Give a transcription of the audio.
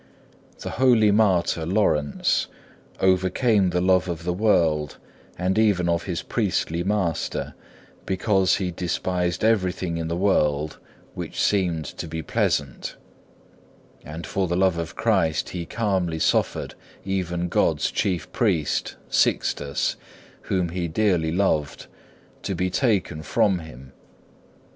The holy martyr Laurence overcame the love of the world and even of his priestly master, because he despised everything in the world which seemed to be pleasant; and for the love of Christ he calmly suffered even God's chief priest, Sixtus, whom he dearly loved, to be taken from him.